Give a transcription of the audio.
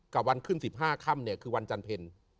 กับวันขึ้น๑๕ค่ำเนี่ยคือวันจันเพล